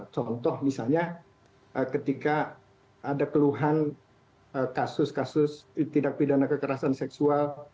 contoh misalnya ketika ada keluhan kasus kasus tindak pidana kekerasan seksual